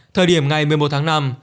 thời điểm ngày một mươi một tháng năm